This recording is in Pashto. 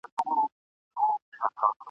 مړاوي سوي رژېدلي د نېستۍ کندي ته تللي !.